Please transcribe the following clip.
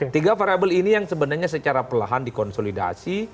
tiga variable ini yang sebenarnya secara perlahan dikonsolidasi